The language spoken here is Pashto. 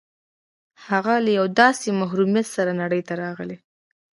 هغه له یوه داسې محرومیت سره نړۍ ته راغی